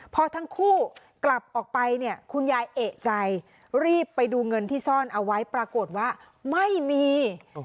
พอทั้งคู่กลับออกไปเนี่ยคุณยายเอกใจรีบไปดูเงินที่ซ่อนเอาไว้ปรากฏว่าไม่มี